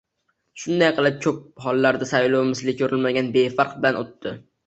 Shunday qilib, ko'p hollarda saylov misli ko'rilmagan befarqlik bilan o'tdi